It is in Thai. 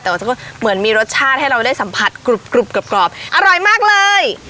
แต่ว่าก็เหมือนมีรสชาติให้เราได้สัมผัสกรุบกรอบอร่อยมากเลย